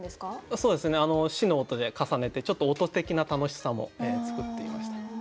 「し」の音で重ねてちょっと音的な楽しさも作ってみました。